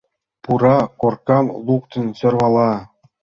Пура коркам луктын сӧрвала.